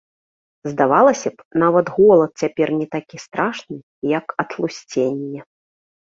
Здавалася б, нават голад цяпер не такі страшны, як атлусценне.